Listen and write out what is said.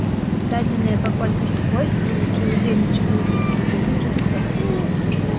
Дадзеныя па колькасці войскаў, якія ўдзельнічалі ў бітве, вельмі разыходзяцца.